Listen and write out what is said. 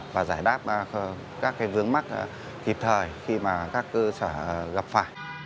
và giải đáp các vướng mắt kịp thời khi các cơ sở gặp phải